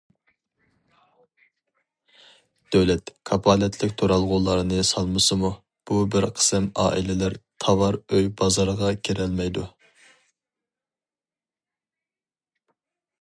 دۆلەت كاپالەتلىك تۇرالغۇلارنى سالمىسىمۇ، بۇ بىر قىسىم ئائىلىلەر تاۋار ئۆي بازىرىغا كىرەلمەيدۇ.